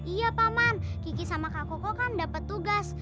iya paman kiki sama kak koko kan dapat tugas